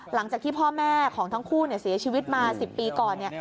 หลังจากที่พ่อแม่ของทั้งคู่เสียชีวิตมา๑๐ปีก่อน